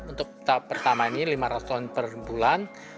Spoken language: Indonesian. untuk tahap pertama ini lima ratus ton per bulan